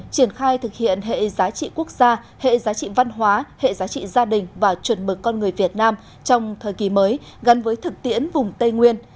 triển khai thực hiện hệ giá trị quốc gia hệ giá trị văn hóa hệ giá trị gia đình và chuẩn mực con người việt nam trong thời kỳ mới gắn với thực tiễn vùng tây nguyên